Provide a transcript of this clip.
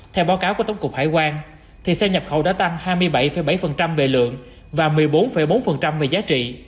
theo báo cáo của tổng cục hải quan xe nhập khẩu đã tăng hai mươi bảy bảy về lượng và một mươi bốn bốn về giá trị